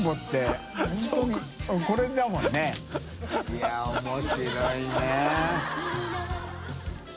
い筺舛面白いね。